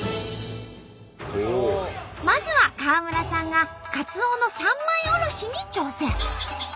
まずは川村さんがカツオの三枚おろしに挑戦。